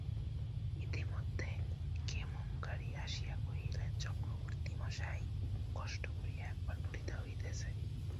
ইতিমধ্যে ক্ষেমংকরী আসিয়া কহিলেন, চক্রবর্তীমশায়, কষ্ট করিয়া একবার উঠিতে হইতেছে।